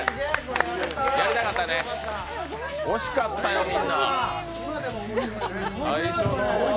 惜しかったよ、みんな。